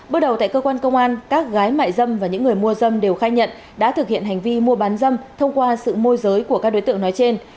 bước đầu tại cơ quan công an các gái mại dâm và những người mua dâm đều khai nhận đã thực hiện hành vi mua bán dâm thông qua sự môi giới của các đối tượng nói trên